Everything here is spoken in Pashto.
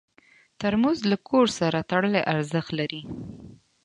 ترموز له کور سره تړلی ارزښت لري.